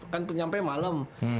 kan sampai malem